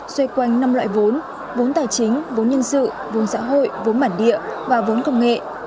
xoay quanh năm loại vốn vốn tài chính vốn nhân sự vốn xã hội vốn bản địa và vốn công nghệ